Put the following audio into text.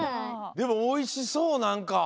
でもおいしそうなんか。